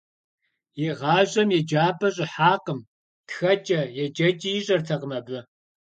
ИгъащӀэм еджапӏэ щӀыхьакъым, тхэкӀэ-еджэкӀи ищӀэртэкъым абы.